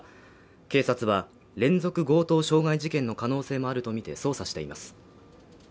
警察は連続強盗傷害事件の可能性もあるとみて捜査しています